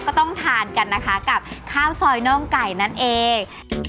ก็ต้องทานกันนะคะกับข้าวซอยน่องไก่นั่นเอง